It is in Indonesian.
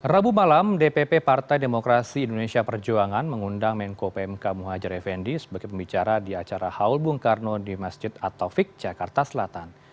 rabu malam dpp partai demokrasi indonesia perjuangan mengundang menko pmk muhajir effendi sebagai pembicara di acara haul bung karno di masjid at taufik jakarta selatan